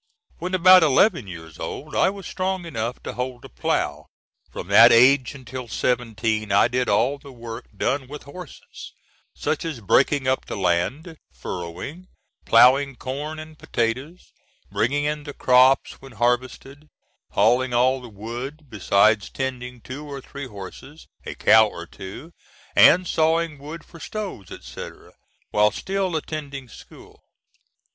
When about eleven years old, I was strong enough to hold a plough. From that age until seventeen I did all the work done with horses, such as breaking up the land, furrowing, ploughing corn and potatoes, bringing in the crops when harvested, hauling all the wood, besides tending two or three horses, a cow or two, and sawing wood for stoves, etc., while still attending school.